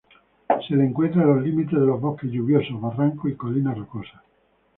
Se le encuentra en los límites de los bosques lluviosos, barrancos y colinas rocosas.